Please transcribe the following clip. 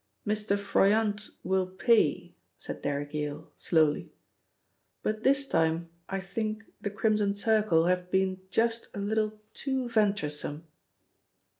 "Mr. Froyant will pay," said Derrick Yale slowly. "But this time I think the Crimson Circle have been just a little too venturesome."